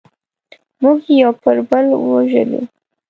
موږ یې یو پر بل ووژلو.